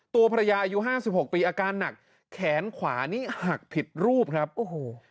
ตัวภรรยาอายุห้าสิบหกปีอาการหนักแขนขวานี่หักผิดรูปครับโอ้โห